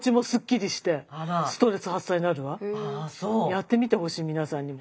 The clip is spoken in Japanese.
やってみてほしい皆さんにも。